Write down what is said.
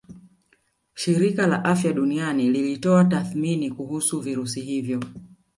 Shirika la Afya Duniani lilitoa tathmini kuhusu virusi hivyo